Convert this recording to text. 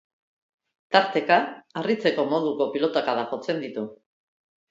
Tarteka harritzeko moduko pilotakadak jotzen ditu.